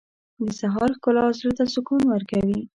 • د سهار ښکلا زړه ته سکون ورکوي.